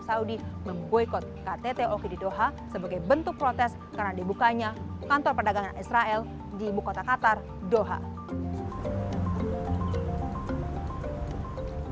saudi memboykot ktt oki di doha sebagai bentuk protes karena dibukanya kantor perdagangan israel di ibu kota qatar doha